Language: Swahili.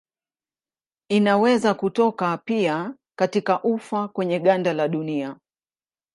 Inaweza kutoka pia katika ufa kwenye ganda la dunia.